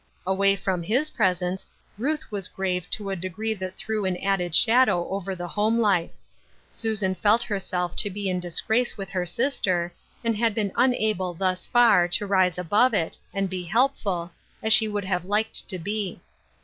Away from his presence, Ruth was grave to a degree that threw an added shadow over the home life. Susan felt herself to be in disgrace with her sister, and had been unable thus far, to rise above it, and be helpful, as she would have liked to be.